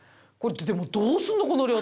これ、でもだって、どうするの？